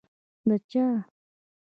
د چا؟